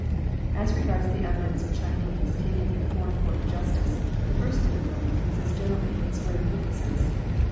As regards the evidence of Chinese taken in a foreign court of justice, the first difficulty consists generally in swearing the witnesses.